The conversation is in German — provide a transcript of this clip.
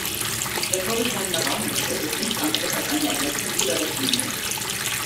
Der vorgeschlagene Rahmenbeschluss ist nichts anderes als eine Ergänzung zu der Richtlinie.